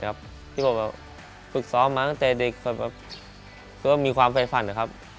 ที่อาทิตย์ปฏิกิจภาพมากันดังแต่เด็กค่ะจะมีความฝันส่วนครับ